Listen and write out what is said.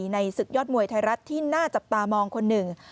ในศึกยอดมวยไทยรัฐที่น่าจับตามองคนหนึ่ง